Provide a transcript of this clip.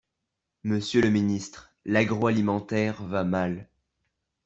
Monsieur le ministre, l’agroalimentaire va mal.